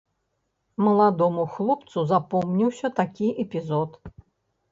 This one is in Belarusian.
Маладому хлопцу запомніўся такі эпізод.